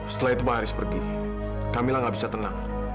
setelah itu pak haris pergi camilla gak bisa tenang